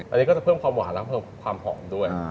อันนี้ก็จะเพิ่มความหวานและเพิ่มความหอมด้วย